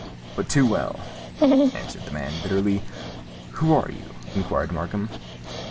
"But too well," answered the man bitterly. "Who are you?" inquired Markham.